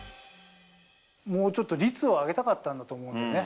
もうちょっと率を上げたかったんだと思うのね。